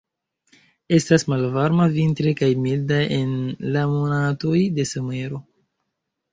Estas malvarma vintre kaj milda en la monatoj de somero.